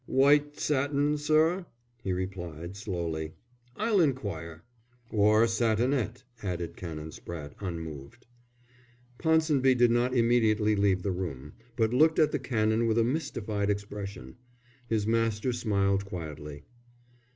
"White satin, sir?" he repeated, slowly. "I'll inquire." "Or satinette," added Canon Spratte, unmoved. Ponsonby did not immediately leave the room, but looked at the Canon with a mystified expression. His master smiled quietly.